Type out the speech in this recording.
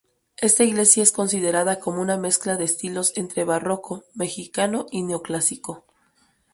Esta iglesia es considerada como una mezcla de estilos entre barroco mexicano y Neoclásico.